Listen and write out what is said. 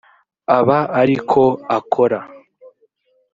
aba ari ko akora